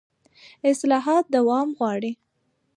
اصلاحات دوام غواړي